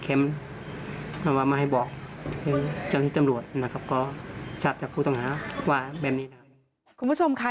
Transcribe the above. ก็ให้เค็มมาให้บอกจับจากผู้ต่อหาว่าแบบนี้คุณผู้ชมค่ะ